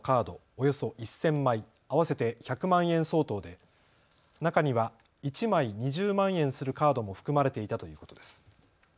およそ１０００枚、合わせて１００万円相当で中には１枚２０万円するカードも含まれていたということです。